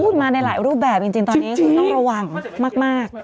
มาในหลายรูปแบบจริงตอนนี้คือต้องระวังมาก